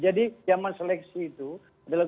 jadi yang menseleksi itu adalah